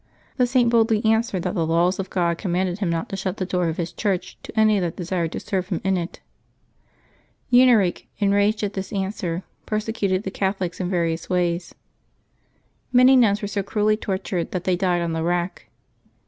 The Saint boldly answered that the laws of God commanded him not to shut the door of His church to any that desired to serve Him in it. Huneric, enraged at this answer, persecuted the Catholics in various ways. Many nuns were so cruelly tortured that they died on the rack.